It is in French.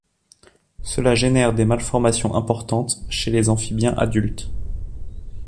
Cela génère des malformations importantes chez les amphibiens adultes.